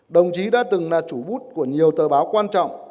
đồng chí đã từng là chủ bút của nhiều tờ báo quan trọng